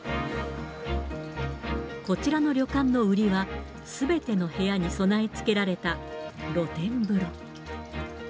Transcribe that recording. こちらの旅館の売りは、すべての部屋に備え付けられた露天風呂。